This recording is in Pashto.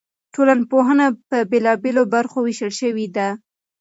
ټولنپوهنه په بېلابېلو برخو ویشل شوې ده.